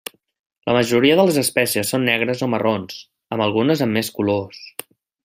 La majoria de les espècies són negres o marrons, amb algunes amb més colors.